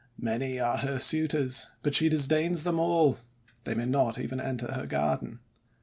Many are her suitors, but she disdains them all; they may not even enter her garden."